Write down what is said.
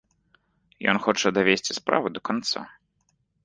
Ён хоча давесці справу да канца.